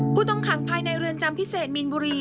ผู้ต้องขังภายในเรือนจำพิเศษมีนบุรี